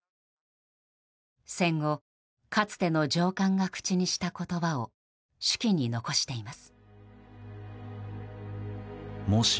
戦後かつての上官が口にした言葉を手記に残しています。